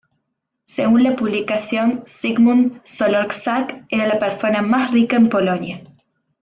Según la publicación Zygmunt Solorz-Żak era la persona más rica en Polonia.